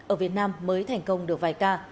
ở việt nam mới thành công được vài ca